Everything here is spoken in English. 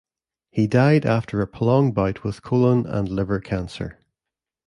He died after a prolonged bout with colon and liver cancer.